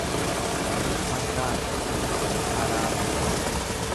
Farraafi abidda alaalatti.